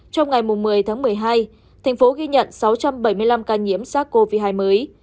trong ngày một mươi tháng một mươi hai thành phố ghi nhận sáu trăm bảy mươi năm ca nhiễm sars cov hai mới